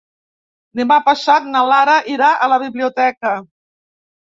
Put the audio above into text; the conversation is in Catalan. Demà passat na Lara irà a la biblioteca.